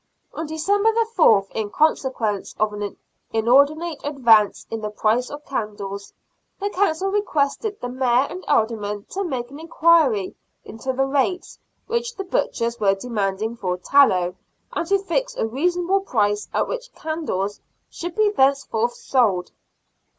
On December 4th, in consequence of an inordinate advance in the price of candles, the Council requested the Mayor and Aldermen to make an inquiry into the rates which the butchers were demanding for tallow, and to fix a reasonable price at which candles should be thenceforth sold.